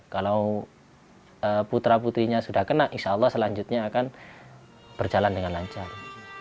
kalau putra putrinya sudah kena insya allah selanjutnya akan berjalan dengan lancar